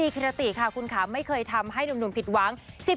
กิรติค่ะคุณขาไม่เคยทำให้หนุ่มผิดหวัง